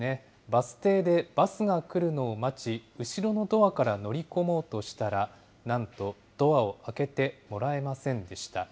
バス停でバスが来るのを待ち、後ろのドアから乗り込もうとしたら、なんとドアを開けてもらえませんでした。